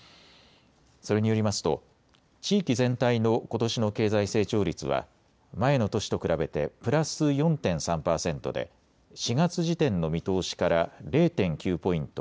それによりますと地域全体のことしの経済成長率は前の年と比べてプラス４．３％で４月時点の見通しから０．９ポイント